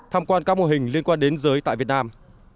tham quan các mô hình liên quan đến giới tại việt nam